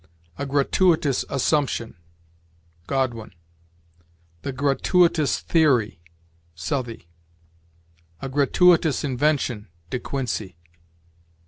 "A gratuitous assumption." Godwin. "The gratuitous theory." Southey. "A gratuitous invention." De Quincey.